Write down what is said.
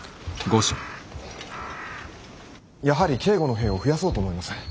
やはり警固の兵を増やそうと思います。